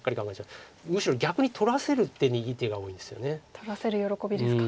取らせる喜びですか。